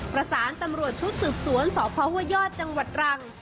ประสานตำรวจชุดสืบสวนสพห้วยยอดจังหวัดรัง